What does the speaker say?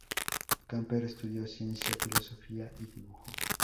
Camper estudió Ciencia, Filosofía y Dibujo.